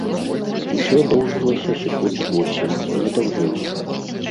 Усё доўжылася секунд восем, не даўжэй.